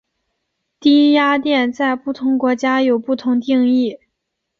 低压电在不同国家有不同定义。